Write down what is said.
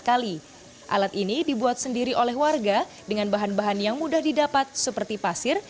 kali alat ini dibuat sendiri oleh warga dengan bahan bahan yang mudah didapat seperti pasir